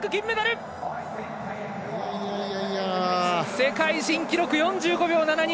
世界新記録４５秒７２。